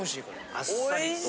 あっさりと。